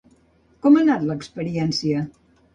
Com ha anat l’experiència?